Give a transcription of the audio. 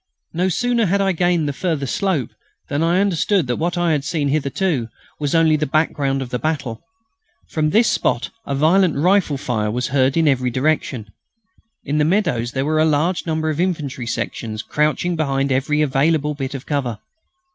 No sooner had I gained the further slope than I understood that what I had seen hitherto was only the background of the battle. From this spot a violent rifle fire was heard in every direction. In the meadows were a large number of infantry sections crouching behind every available bit of cover.